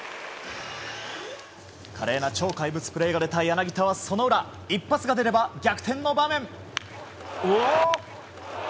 華麗な超怪物プレーが出た柳田はその裏一発が出れば逆転の場面。